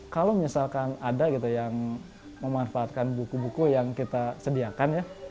kalau misalkan ada gitu yang memanfaatkan buku buku yang kita sediakan ya